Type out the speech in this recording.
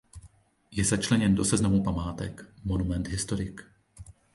Je začleněn do seznamu památek Monument historique.